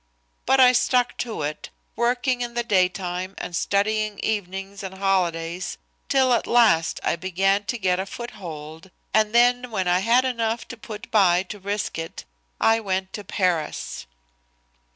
But I stuck to it, working in the daytime and studying evenings and holidays till at last I began to get a foothold, and then when I had enough to put by to risk it I went to Paris."